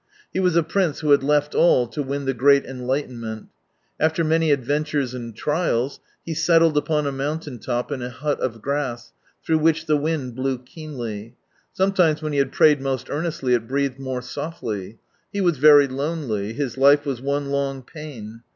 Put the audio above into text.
He was a prince who had left all to win The Great Enlightenment. After many adventures and trials, he settled upon a mountain top, in a hut of grass, through which the wind blew keenly. r^^"'. Sometimes when he had prayed most earnestly, it breathed ■■ more softly. He was very lonely, His life was one long pain.